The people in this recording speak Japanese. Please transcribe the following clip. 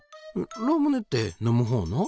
ラムネって飲むほうの？